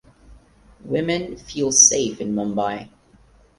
Women feel safe in Mumbai.